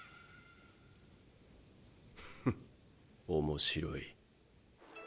フッ面白い。